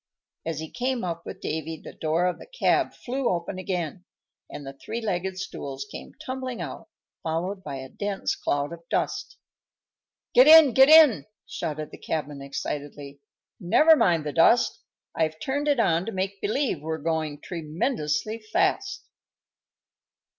As he came up with Davy the door of the cab flew open again, and the three legged stools came tumbling out, followed by a dense cloud of dust. "Get in! Get in!" shouted the cabman, excitedly. "Never mind the dust; I've turned it on to make believe we're going tremendously fast."